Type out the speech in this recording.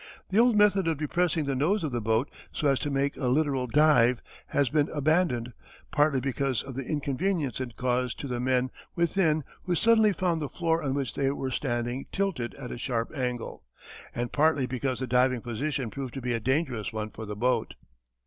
The old method of depressing the nose of the boat so as to make a literal dive has been abandoned, partly because of the inconvenience it caused to the men within who suddenly found the floor on which they were standing tilted at a sharp angle, and partly because the diving position proved to be a dangerous one for the boat.